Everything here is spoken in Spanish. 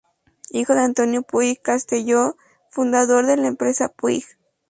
Hijo de Antonio Puig Castelló, fundador de la empresa Puig.